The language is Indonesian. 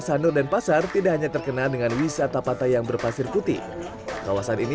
sanur dan pasar tidak hanya terkenal dengan wisata patai yang berpasir putih kawasan ini